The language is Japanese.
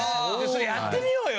それやってみようよ！